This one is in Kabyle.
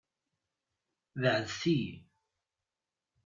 Beɛɛdet-iyi.